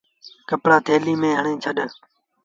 ڪپڙآ ٿيلي ميݩ هڻي ڇڏ۔